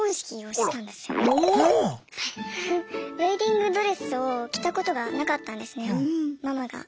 ウエディングドレスを着たことがなかったんですねママが。